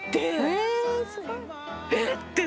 えっ！？